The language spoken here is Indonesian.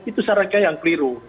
itu secara rakyat yang keliru